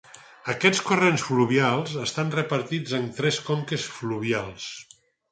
Aquests corrents fluvials estan repartits en tres conques fluvials.